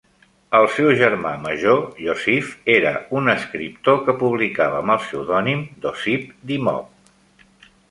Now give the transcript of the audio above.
El seu germà major Yosif era un escriptor que publicava amb el pseudònim d'Osip Dymov.